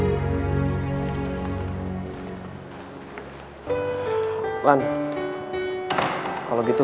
apakah ini cinta